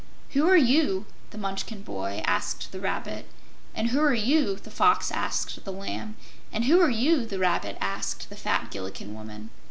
"Who are you?" the Munchkin boy asked the Rabbit; and "Who are you?" the Fox asked the Lamb; and "Who are you?" the Rabbit asked the fat Gillikin woman.